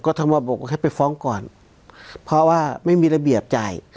ก็ทำมาบอกว่าให้ไปฟ้องก่อนเพราะว่าไม่มีระเบียบจ่าย